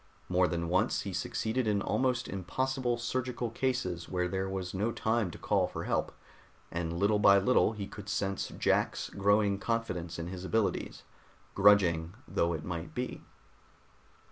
More than once he succeeded in almost impossible surgical cases where there was no time to call for help, and little by little he could sense Jack's growing confidence in his abilities, grudging though it might be.